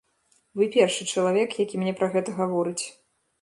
Вы першы чалавек, які мне пра гэта гаворыць.